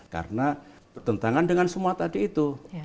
karena pertentangan dengan semua tadi itu